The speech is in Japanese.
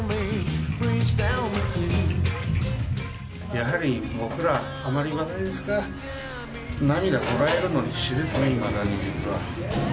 やはり僕ら、あまり言わないですが、涙こらえるのに必死ですね、いまだに、実は。